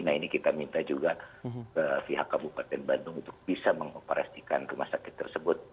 nah ini kita minta juga ke pihak kabupaten bandung untuk bisa mengoperasikan rumah sakit tersebut